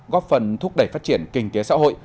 góp phần thúc đẩy phát triển kinh tế xã hội